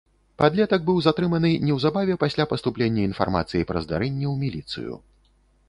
Падлетак быў затрыманы неўзабаве пасля паступлення інфармацыі пра здарэнне ў міліцыю.